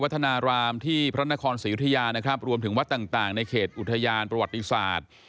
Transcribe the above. ธนารามที่พระนครศรียุธยานะครับรวมถึงวัดต่างในเขตอุทยานประวัติศาสตร์